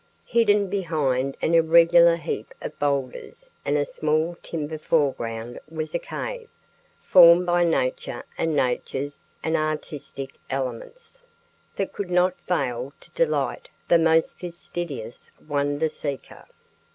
Hidden behind an irregular heap of boulders and a small timber foreground was a cave, formed by nature and nature's anarchistic elements, that could not fail to delight the most fastidious wonder seeker.